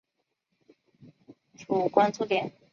主关注点。